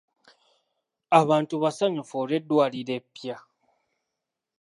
Abantu basanyufu olw'eddwaliro eppya.